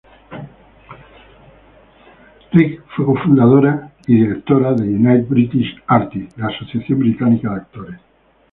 Rigg fue cofundadora y directora de United British Artists, la asociación británica de actores.